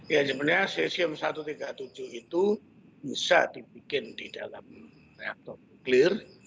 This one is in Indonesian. ya sebenarnya cesium satu ratus tiga puluh tujuh itu bisa dibikin di dalam reaktor nuklir